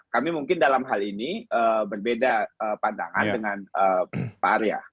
kami mungkin dalam hal ini berbeda pandangan dengan pak arya